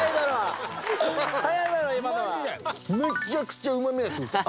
めちゃくちゃうまみがすごい！